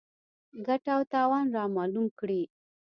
ګټه او تاوان رامعلوم کړي.